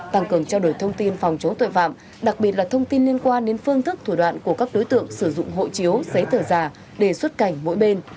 tăng cường trao đổi thông tin phòng chống tội phạm đặc biệt là thông tin liên quan đến phương thức thủ đoạn của các đối tượng sử dụng hộ chiếu giấy tờ giả để xuất cảnh mỗi bên